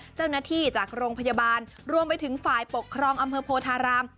เจ้าหน้าที่จากโรงพยาบาลรวมไปถึงฝ่ายปกครองอำเภอโพธาราม